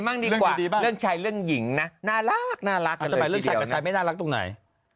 มันดีล่ะนะน่าละตรงไหน